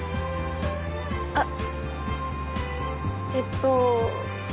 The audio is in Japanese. あっえっと。